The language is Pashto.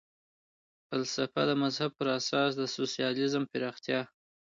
فلسفه د مذهب پر اساس د سوسیالیزم پراختیا.